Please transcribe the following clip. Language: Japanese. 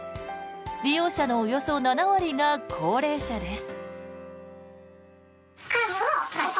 利用者のおよそ７割が高齢者です。